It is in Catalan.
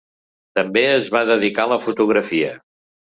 També es va dedicar a la fotografia.